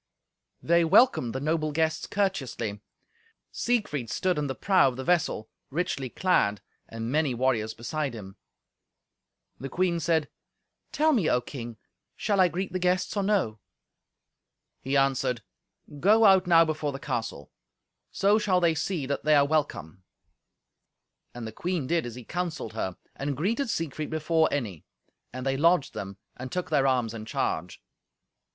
They welcomed the noble guests courteously. Siegfried stood in the prow of the vessel, richly clad, and many warriors beside him. The queen said, "Tell me, O King, shall I greet the guests, or no?" He answered, "Go out now before the castle. So shall they see that they are welcome." And the queen did as he counselled her, and greeted Siegfried before any. And they lodged them, and took their arms in charge.